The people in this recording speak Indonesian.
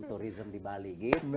turisme di bali